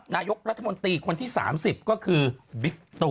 นายกรัฐมนตรีคนที่๓๐ก็คือบิ๊กตู